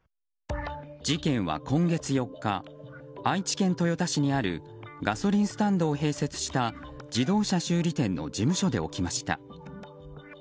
事件は今月４日愛知県豊田市にあるガソリンスタンドを併設した自動車修理店の事務所で起きました。